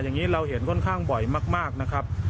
อย่างนี้เราเห็นค่อนข้างบ่อยมากนะครับ